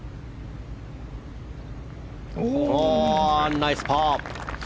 ナイスパー！